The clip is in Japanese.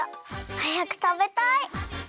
はやくたべたい！